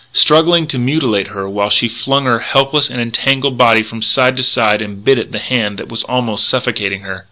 struggling to mutilate her while she flung her helpless and entangled body from side to side and bit at the hand that was almost suffocating her.